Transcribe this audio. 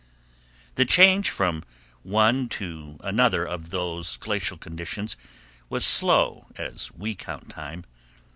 The change from one to another of those glacial conditions was slow as we count time.